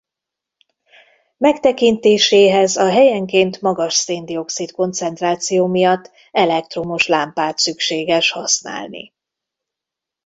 Megtekintéséhez a helyenként magas szén-dioxid koncentráció miatt elektromos lámpát szükséges használni.